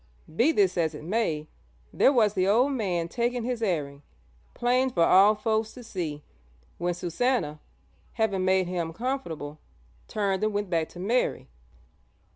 Be this as it may, there was the old man taking his airing, 'plain for all folks to see,' when Susannah, having made him comfortable, turned and went back to Mary.